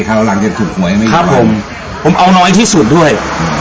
หลังจากถูกหวยนะครับผมผมเอาน้อยที่สุดด้วย